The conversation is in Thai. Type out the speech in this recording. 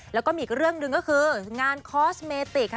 เล่าก็มีอีกเรื่องก็คืองานคอสเมติก